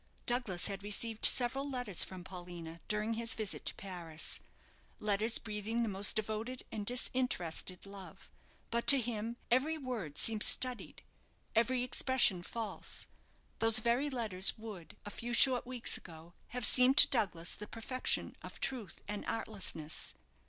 Douglas had received several letters from Paulina during his visit to Paris letters breathing the most devoted and disinterested love; but to him every word seemed studied, every expression false. Those very letters would, a few short weeks ago, have seemed to Douglas the perfection of truth and artlessness.